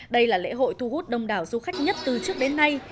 đây là lễ hội thu hút đông đảo du khách nhất từ trước đến nay